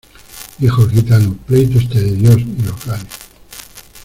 Dijo el gitano, pleitos te dé Dios, y los ganes.